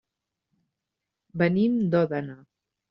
Venim d'Òdena.